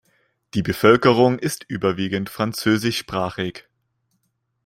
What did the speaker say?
Die Bevölkerung ist überwiegend französischsprachig.